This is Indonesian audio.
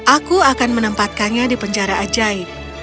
aku akan menempatkannya di penjara ajaib